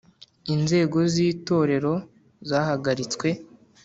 Inzego z Itorero zahagaritswe